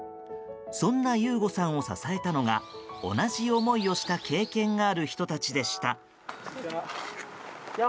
そんな悠悟さんを支えたのが同じ思いをした経験がある人たちでした。